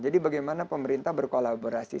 jadi bagaimana pemerintah berkolaborasi